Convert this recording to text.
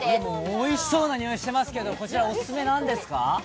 おいしそうなにおいですけど、こちら、おすすめ何ですか？